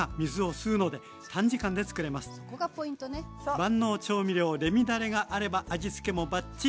万能調味料レミだれがあれば味付けもバッチリ。